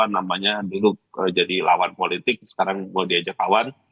namanya dulu jadi lawan politik sekarang mau diajak kawan